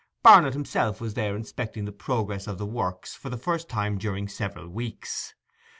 Barnet himself was there inspecting the progress of the works for the first time during several weeks.